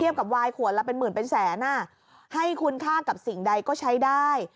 กับวายขวดละเป็นหมื่นเป็นแสนให้คุณค่ากับสิ่งใดก็ใช้ได้